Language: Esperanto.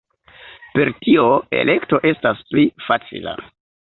Per tio elekto estas pli facila.